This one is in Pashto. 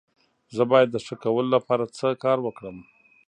زه باید د ښه کولو لپاره څه کار وکړم؟